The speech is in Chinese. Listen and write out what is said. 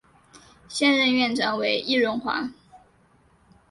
现任院长为易荣华。